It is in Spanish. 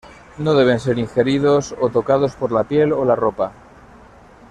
No deben ser ingeridos, o tocados por la piel o la ropa.